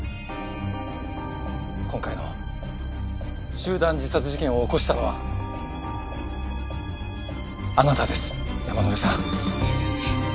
今回の集団自殺事件を起こしたのはあなたです山之辺さん。